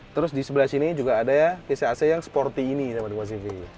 terus disebelah sini juga ada ya kisi ac yang sporty ini sama tukang sivi